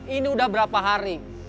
ini udah berapa hari